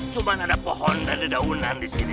cuma hanya ada pohon dan ada daunan di sini